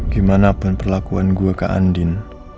gimana penperlakuan gue ke adin